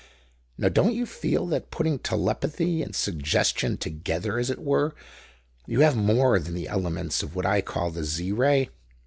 Now don't you feel that putting telepathy and suggestion together, as it were, you have more than the elements of what I call the Z Ray?